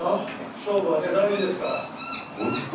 勝負はね大事ですから。